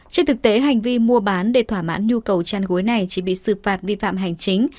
trên thực tế hành vi mua bán để thỏa mãn nhu cầu chăn gối này chỉ bị xử phạt vi phạm hành chính